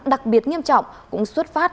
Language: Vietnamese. đặc biệt nghiêm trọng cũng xuất phát